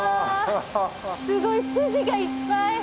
すごい筋がいっぱい。